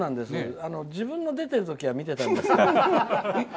自分の出ている時は見ていたんですけど。